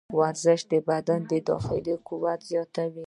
ورزش د بدن داخلي قوت زیاتوي.